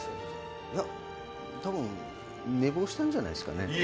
いや、多分寝坊したんじゃないですかね？